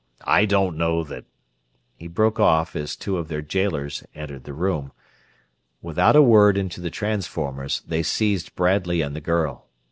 I don't know that...." He broke off as two of their jailers entered the room. Without a word into the transformers, they seized Bradley and the girl.